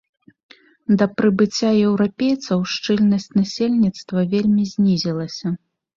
Да прыбыцця еўрапейцаў шчыльнасць насельніцтва вельмі знізілася.